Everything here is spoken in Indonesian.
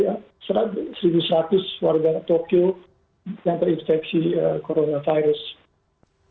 yang terinfeksi coronavirus